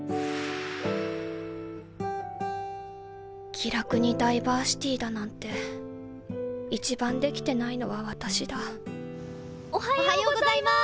「気楽にダイバーシティー」だなんて一番できてないのは私だおはようございます！